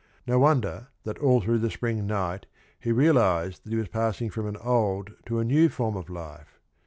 No wonder that all through the spring night he realized that he was passing from an old to a new form of life